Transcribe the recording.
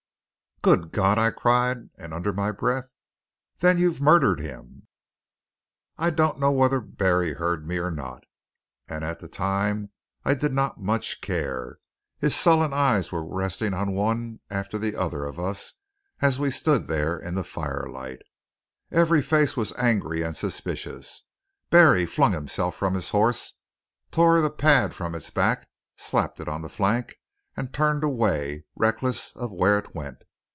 "Good God!" I cried; and under my breath, "Then you've murdered him!" I don't know whether Barry heard me or not, and at the time I did not much care. His sullen eye was resting on one after the other of us as we stood there in the firelight. Every face was angry and suspicious. Barry flung himself from his horse, tore the pad from its back, slapped it on the flank, and turned away, reckless of where it went.